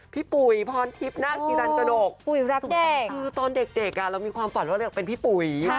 พี่ปุ๋ยพรภิพย์น่ากินรันต์กระโดกสมมุติค่ะคือตอนเด็กอ่ะเรามีความฝันวนเลือกเป็นพี่ปุ๋ย